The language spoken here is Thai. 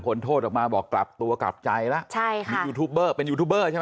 ผลโทษออกมาบอกกลับตัวกลับใจแล้วใช่ค่ะมียูทูปเบอร์เป็นยูทูบเบอร์ใช่ไหม